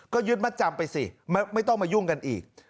ก็ยึดมัดจำไปสิไม่ต้องมายุ่งกันอีก